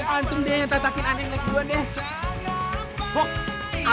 antum tetakin anaknya